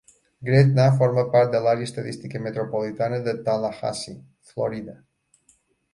Gretna forma part de l'Àrea Estadística Metropolitana de Tallahassee, Florida.